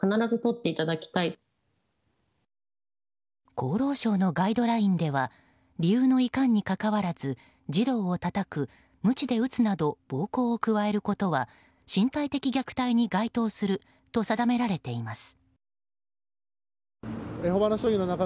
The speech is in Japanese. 厚労省のガイドラインでは理由のいかんにかかわらず児童をたたく、むちで打つなど暴行を加えることは身体的虐待に該当すると定められています。